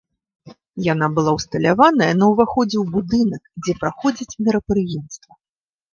Яна была ўсталяваная на ўваходзе ў будынак, дзе праходзіць мерапрыемства.